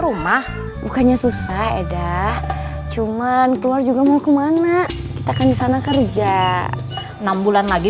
rumah bukannya susah eda cuman keluar juga mau kemana kita kan di sana kerja enam bulan lagi